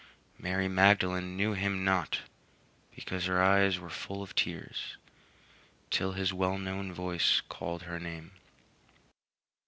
Mary Magdalene knew him not, because her eyes were full of tears, till his well known voice called her name.